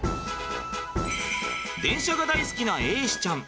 電車が大好きな瑛志ちゃん。